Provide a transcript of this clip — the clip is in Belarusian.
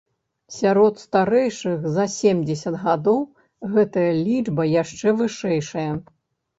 Сярод старэйшых за семдзесят гадоў гэтая лічба яшчэ вышэйшая.